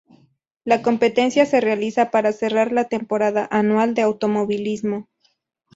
La competencia se realiza para cerrar la temporada anual de automovilismo.